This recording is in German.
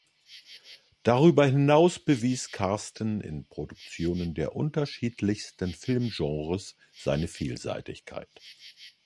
Darüber hinaus bewies Carsten in Produktionen der unterschiedlichsten Filmgenres seine Vielseitigkeit.